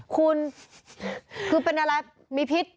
คุณคือเป็นอะไรมีพิษ